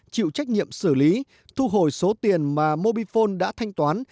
chịu trách nhiệm xử lý thu hồi số tiền mà mobifone đã thanh toán